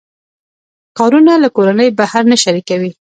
کارونه له کورنۍ بهر نه شریکوي.